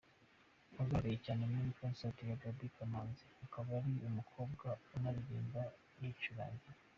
wagaragaye cyane muri concert ya Gaby Kamanzi, akaba ari umukobwa unaririmba yicurangira.